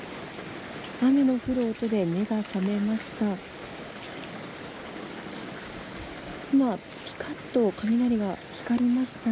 雨の降る音で目が覚めました。